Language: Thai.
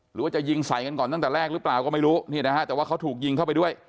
หรือว่าจะยิงใส่กันก่อนตั้งแต่แรกหรือเปล่าก็ไม่รู้นี่นะฮะแต่ว่าเขาถูกยิงเข้าไปด้วย